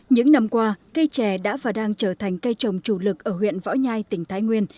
những năm qua cây trè đã và đang trở thành cây trồng chủ lực ở huyện võ nhai tỉnh thái nguyên